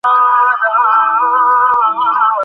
কোনো লোক আর চুদতে আসবে না!